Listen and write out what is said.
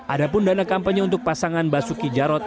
ada pun dana kampanye untuk pasangan basuki jarot